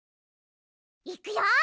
いくよ！